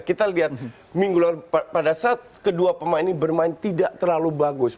kita lihat pada saat kedua pemain ini bermain tidak terlalu bagus